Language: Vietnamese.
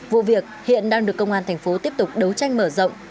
vụ việc hiện đang được công an thành phố tiếp tục đấu tranh mở rộng